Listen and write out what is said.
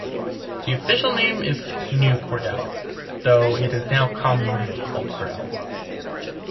The official name is New Cordell, though it is now commonly called Cordell.